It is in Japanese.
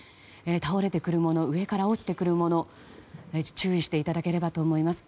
倒れてくるもの上から落ちてくるものに注意していただければと思います。